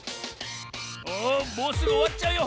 おもうすぐおわっちゃうよ。